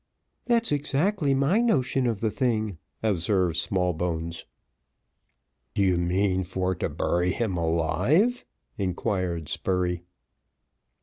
"That's exactly my notion of the thing," observed Smallbones. "Do you mean for to bury him alive?" inquired Spurey.